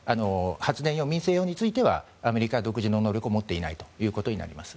発電用についてはアメリカ独自の能力を持っていないということになります。